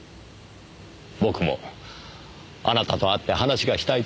僕もあなたと会って話がしたいと思っていました。